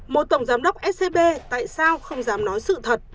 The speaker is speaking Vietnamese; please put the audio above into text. một tổng giám đốc scb tại sao không dám nói sự thật